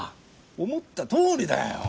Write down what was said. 思ったとおりだよ。